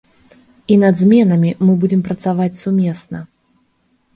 І над зменамі мы будзем працаваць сумесна.